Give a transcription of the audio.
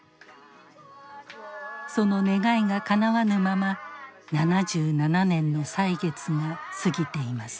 その願いがかなわぬまま７７年の歳月が過ぎています。